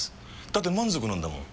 だって満足なんだもん。